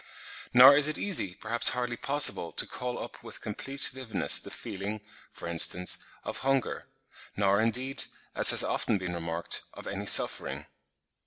Nor is it easy, perhaps hardly possible, to call up with complete vividness the feeling, for instance, of hunger; nor indeed, as has often been remarked, of any suffering.